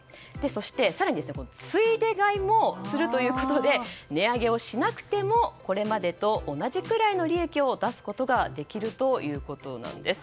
そして、更についで買いもするということで値上げをしなくてもこれまでと同じくらいの利益を出すことができるということなんです。